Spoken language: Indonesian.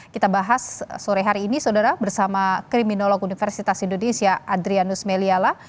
kita bahas sore hari ini saudara bersama kriminolog universitas indonesia adrianus meliala